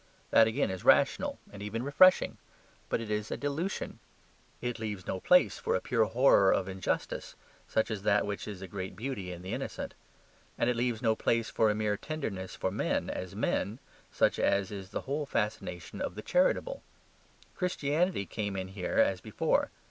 That again is rational, and even refreshing; but it is a dilution. It leaves no place for a pure horror of injustice, such as that which is a great beauty in the innocent. And it leaves no place for a mere tenderness for men as men, such as is the whole fascination of the charitable. Christianity came in here as before.